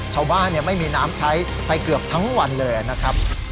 ชาวบ้านเนี่ยไม่มีน้ำใช้ไปเกือบทั้งวันเลยนะครับ